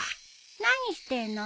何してんの？